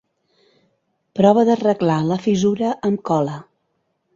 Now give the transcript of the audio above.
Prova d'arreglar la fissura amb cola.